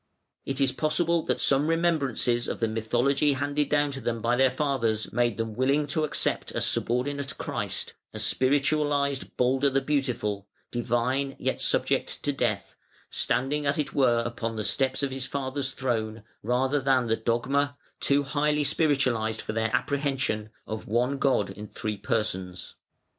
It is possible that some remembrances of the mythology handed down to them by their fathers made them willing to accept a subordinate Christ, a spiritualised "Balder the Beautiful", divine yet subject to death, standing as it were upon the steps of his father's throne, rather than the dogma, too highly spiritualised for their apprehension, of One God in Three Persons.